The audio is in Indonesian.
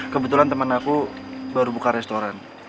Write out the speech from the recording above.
kebetulan teman aku baru buka restoran